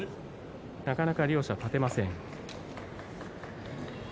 なかなか両者立てません。